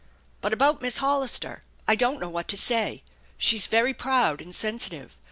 But about Miss Hollister, I don't know what to say. She's very proud and sensitive.